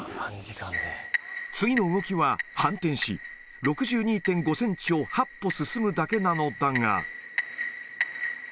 次の動きは反転し、６２．５センチを８歩進むだけなのだが。